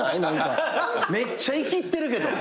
めっちゃいきってるけど。